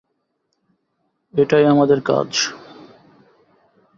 এটাই আমাদের কাজ।